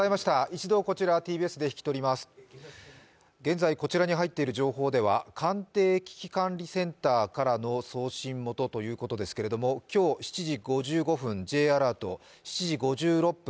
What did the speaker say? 現在、こちらに入っている情報では官邸危機管理センターからの送信元ということですけれども、今日７時５５分Ｊアラート、７時５６分